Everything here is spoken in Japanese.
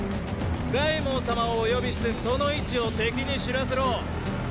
凱孟様をお呼びしてその位置を敵に知らせろ。